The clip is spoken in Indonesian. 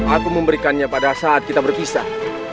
aku memberikannya pada saat kita berpisah